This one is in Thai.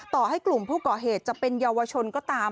ต่อให้กลุ่มผู้ก่อเหตุจะเป็นเยาวชนก็ตาม